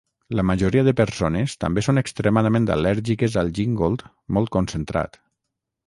La majoria de persones també són extremadament al·lèrgiques al Gingold molt concentrat.